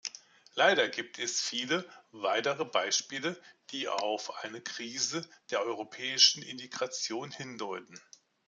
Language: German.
Leider gibt es viele weitere Beispiele, die auf eine Krise der europäischen Integration hindeuten.